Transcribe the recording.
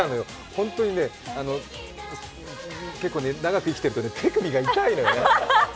本当に結構、長く生きてると手首が痛いのよね。